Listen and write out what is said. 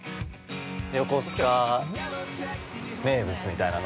◆横須賀名物みたいなの。